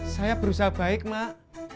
saya berusaha baik mak